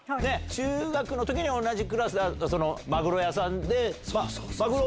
中学の時に同じクラスでマグロ屋さんで。